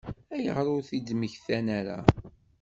Ayɣer ur t-id-mmektan ara?